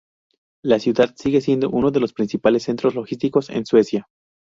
La ciudad sigue siendo uno de los principales centros logísticos en Suecia.